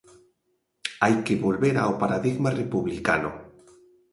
Hai que volver ao paradigma republicano.